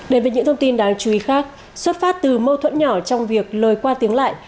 đến với những thông tin đáng chú ý khác xuất phát từ mâu thuẫn nhỏ trong việc lời qua tiếng lại